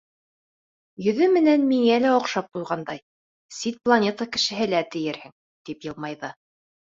Йөҙө менән миңә лә оҡшап ҡуйғандай, сит планета кешеһе лә тиерһең. — тип йылмайҙы.